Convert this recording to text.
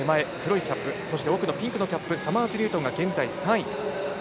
そして奥のピンクのキャップサマーズニュートンが現在３位。